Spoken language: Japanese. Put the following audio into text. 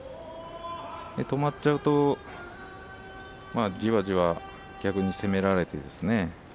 止まっちゃうと、じわじわ逆に攻められてですね